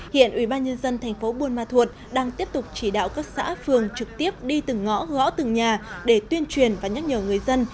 hiện ubnd tp buôn ma thuột đang tiếp tục chỉ đạo các xã phường trực tiếp đi từng ngõ gõ từng nhà để tuyên truyền và nhắc nhở người dân